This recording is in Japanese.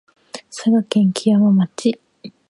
佐賀県基山町